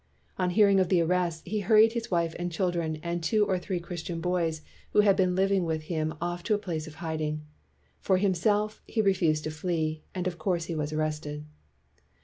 On hearing of the arrests, he hurried his wife and children and two or three Chris 239 WHITE MAN OF WORK tian boys who had been living with him off to a place of hiding. For himself, he re fused to flee, and of course was arrested.